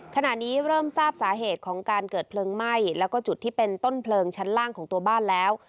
ขณะนี้เริ่มทราบสาเหตุของการเกิดเพลิงไหม้แล้วก็จุดที่เป็นต้นเพลิงชั้นล่างของตัวบ้านแล้ว